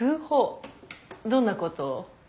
どんなことを？